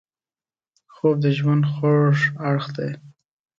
خوب د ژوند خوږ اړخ دی